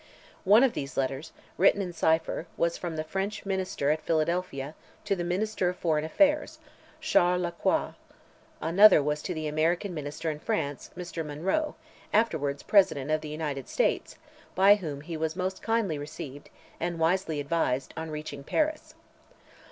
One of these letters, written in cipher, was from the French Minister at Philadelphia to the Minister of Foreign Affairs, Charles Lacroix; another was to the American Minister in France, Mr. Monroe, afterwards President of the United States, by whom he was most kindly received, and wisely advised, on reaching Paris.